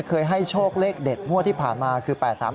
เคยให้โชคเลขเด็ดงวดที่ผ่านมาคือ๘๓